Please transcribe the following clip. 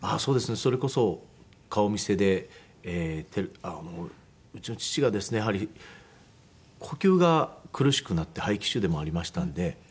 それこそ顔見世でうちの父がですねやはり呼吸が苦しくなって肺気腫でもありましたので。